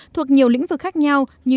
thuộc nhiều lĩnh vực khác nhau như